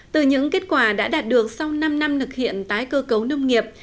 từ những kết quả đã đạt được sau năm năm lực hiện tái cơ cấu nông nghiệp